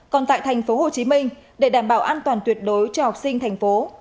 còn tại thành phố hồ chí minh để đảm bảo an toàn tuyệt đối cho học sinh thành phố